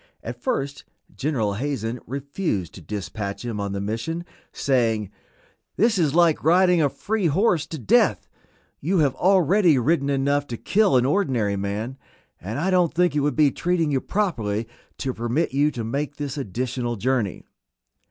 At first General Hazen refused to dispatch him on the mission, saying, "This is like riding a free horse to death; you have already ridden enough to kill an ordinary man, and I don't think it would be treating you properly to permit you to make this additional journey."